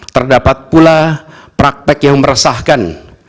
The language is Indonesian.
terdapat pula praktek yang meresahkan